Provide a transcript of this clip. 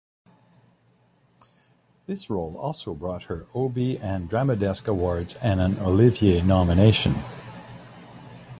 This role also brought her Obie and Drama Desk awards and an Olivier nomination.